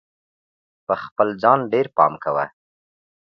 په خپل ځان ډېر پام کوه!